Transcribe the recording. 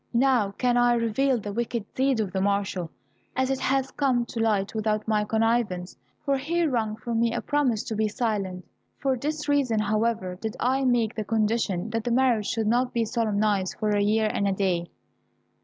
Now can I reveal the wicked deed of the marshal, as it has come to light without my connivance, for he wrung from me a promise to be silent. For this reason, however, did I make the condition that the marriage should not be solemnized for a year and a day."